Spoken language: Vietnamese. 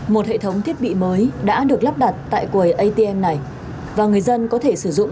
một hệ thống thiết bị mới đã được lắp đặt tại quầy atm này và người dân có thể sử dụng